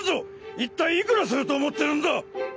一体いくらすると思ってるんだ！